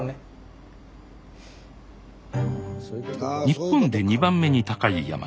日本で２番目に高い山